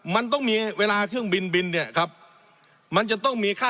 มันต้องมีเวลาเครื่องบินบินเนี่ยครับมันจะต้องมีค่า